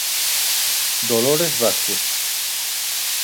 Dolores Vázquez.